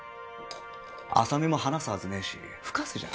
浅見も話すはずねえし深瀬じゃね